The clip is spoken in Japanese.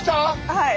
はい。